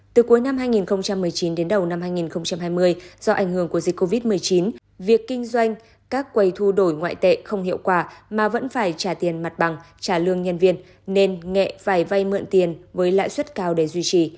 từ cuối năm hai nghìn một mươi chín đến đầu năm hai nghìn hai mươi do ảnh hưởng của dịch covid một mươi chín việc kinh doanh các quầy thu đổi ngoại tệ không hiệu quả mà vẫn phải trả tiền mặt bằng trả lương nhân viên nên nghệ phải vay mượn tiền với lãi suất cao để duy trì